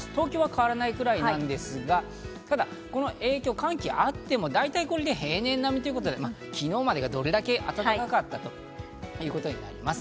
東京は変わらないぐらいですが、ただこの影響、寒気があっても、大体これで平年並み、昨日までがどれぐらい暖かかったかということになります。